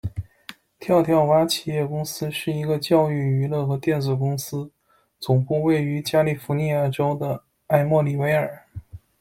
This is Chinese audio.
跳跳蛙企业公司是一个教育娱乐和电子公司，总部位于加利福尼亚州的埃默里维尔。